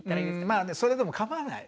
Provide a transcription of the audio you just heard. まあそれでも構わない。